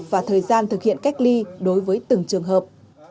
và thời gian thực hiện cách ly đối với từng trường hợp